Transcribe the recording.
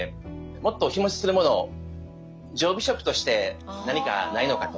もっと日もちするものを常備食として何かないのかと。